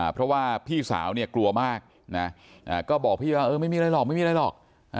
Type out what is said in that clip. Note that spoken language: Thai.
เพราะว่าพี่สาวเนี่ยกลัวมากนะก็บอกพี่ว่าไม่มีอะไรหรอกไม่มีอะไรหรอก